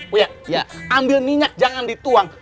oh ya ambil minyak jangan dituang